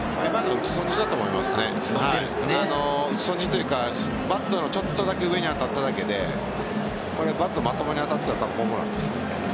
打ち損じというかバットのちょっとだけ上に当たっただけでバット、まともに当たってたら多分ホームランです。